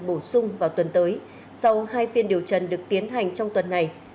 bổ sung vào tuần tới sau hai phiên điều trần được tiến hành trong tuần này